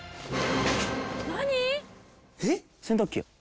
「何！？」